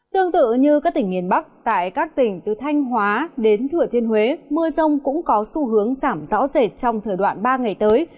tương tự như các tỉnh miền bắc tại các tỉnh từ thanh hóa đến thừa thiên huế mưa rông cũng có xu hướng giảm rõ rệt trong thời đoạn ba ngày tới